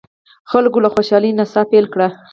خلکو له خوشالۍ نڅا پیل کړه.